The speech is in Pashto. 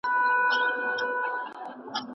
موږ شکلونه زده کوو.